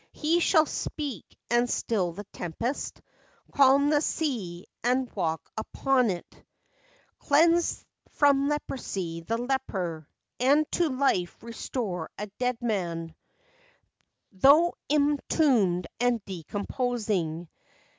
He shall speak, and still the tempest, Calm the sea and walk upon it; Cleanse from leprosy the leper, And to life restore a dead man, Tho' entombed and decomposing.